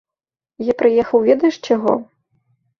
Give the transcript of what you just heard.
Я прыехаў ведаеш чаго?